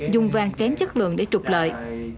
dùng vàng kém chất lượng để trục lợi